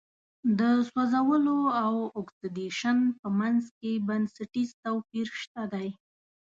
د سوځولو او اکسیدیشن په منځ کې بنسټیز توپیر شته دی.